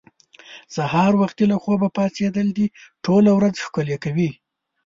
سهار وختي له خوبه پاڅېدل دې ټوله ورځ ښکلې کوي.